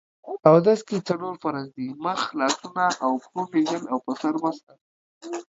اودس کې څلور فرض دي: مخ، لاسونو او پښو مينځل او په سر مسح